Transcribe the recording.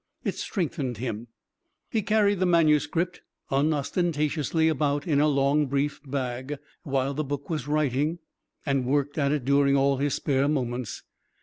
It strengthened him. He carried the manuscript unostentatiously about in a long brief bag, while the book was writing, and worked at it during all his spare moments.